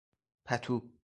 پتو